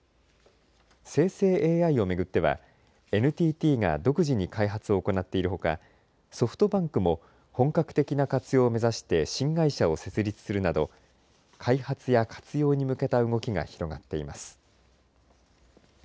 生成ＡＩを巡ってはＮＴＴが独自に開発を行っているほかソフトバンクも本格的な活用を目指して新会社を設立するなど開発や活用に向けた動きが広がっています。